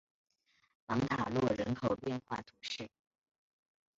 芒塔洛人口变化图示